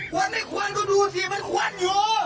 ควรไม่ควรก็ดูสิมันควรอยู่